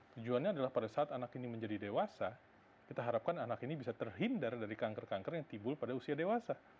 tujuannya adalah pada saat anak ini menjadi dewasa kita harapkan anak ini bisa terhindar dari kanker kanker yang timbul pada usia dewasa